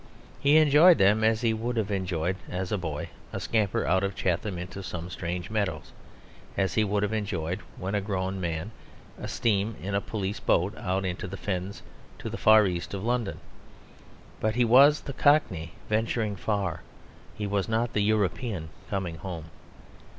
He enjoyed them as he would have enjoyed, as a boy, a scamper out of Chatham into some strange meadows, as he would have enjoyed, when a grown man, a steam in a police boat out into the fens to the far east of London. But he was the Cockney venturing far; he was not the European coming home.